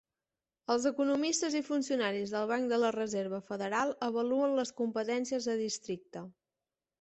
Els economistes i funcionaris del Banc de la Reserva Federal avaluen les competències de districte.